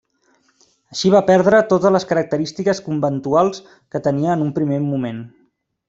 Així va perdre totes les característiques conventuals que tenia en un primer moment.